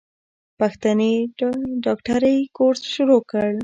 پښتنې د ډاکټرۍ کورس شروع کړو.